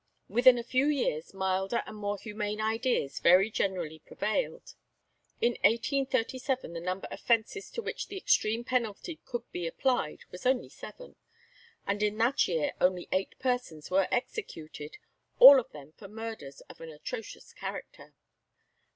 Within a few years milder and more humane ideas very generally prevailed. In 1837 the number of offences to which the extreme penalty could be applied was only seven, and in that year only eight persons were executed, all of them for murders of an atrocious character.